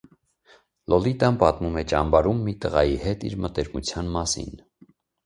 Լոլիտան պատմում է ճամբարում մի տղայի հետ իր մտերմության մասին։